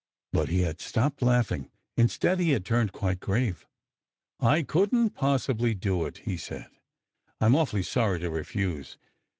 But he had stopped laughing, Instead he had turned quite grave. "I couldn t possibly do it," he said. "I m awfully sorry to refuse.